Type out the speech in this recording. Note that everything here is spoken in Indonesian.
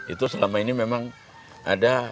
itu selama ini memang ada